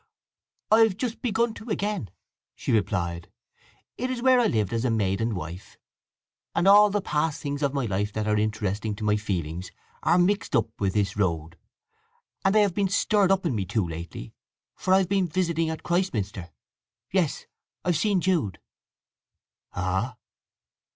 "I've just begun to again," she replied. "It is where I lived as maid and wife, and all the past things of my life that are interesting to my feelings are mixed up with this road. And they have been stirred up in me too, lately; for I've been visiting at Christminster. Yes; I've seen Jude." "Ah!